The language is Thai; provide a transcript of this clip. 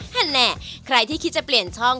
นั่นแหละใครที่คิดจะเปลี่ยนช่อง